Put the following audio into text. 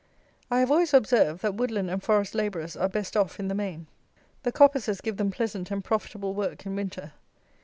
I have always observed, that woodland and forest labourers are best off in the main. The coppices give them pleasant and profitable work in winter.